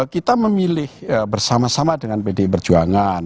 kita memilih bersama sama dengan pdi perjuangan